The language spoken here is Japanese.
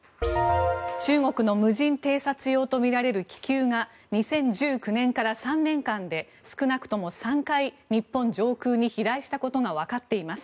中国の無人偵察用とみられる気球が２０１９年から３年間で少なくとも３回日本上空に飛来したことがわかっています。